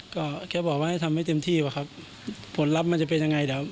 ก็แค่บอกว่าให้ทำให้เต็มที่ว่ะครับผลลัพธ์มันจะเป็นยังไงนะครับ